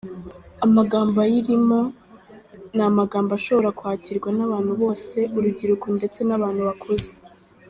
Amagambo ayirimbo ni amagambo ashobora kwakirwa n’abantu bose, urubyiruko ndetse n’abantu bakuze.